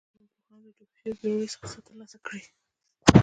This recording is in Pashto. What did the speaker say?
لرغونپوهانو له ډوبو شویو بېړیو څخه ترلاسه کړي دي